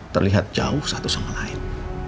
terlihat jauh satu sama lain